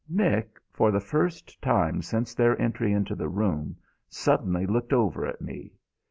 Mick, for the first time since their entry into the room, suddenly looked over at me.